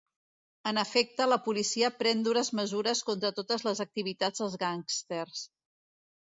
En efecte, la policia pren dures mesures contra totes les activitats dels gàngsters.